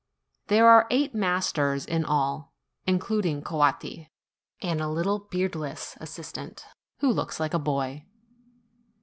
There are eight masters in all, including Coatti, and a little, beardless assistant, who looks like a boy.